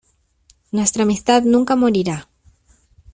Nuestra amistad nunca morirá.